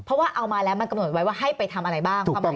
เพราะว่าเอามาแล้วมันกำหนดไว้ว่าให้ไปทำอะไรบ้าง